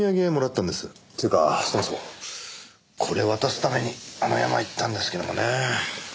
っていうかそもそもこれを渡すためにあの山行ったんですけどもね。